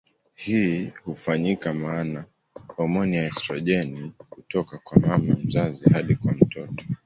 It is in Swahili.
Hii hufanyika maana homoni ya estrojeni hutoka kwa mama mzazi hadi kwa mtoto.